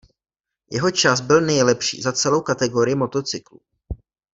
Jeho čas byl nejlepší za celou kategorii motocyklů.